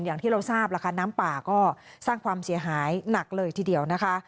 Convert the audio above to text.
อย่างที่เราทราบล่ะค่ะน้ำป่าก็สร้างความเสียหายหนักเลยทีเดียวนะคะ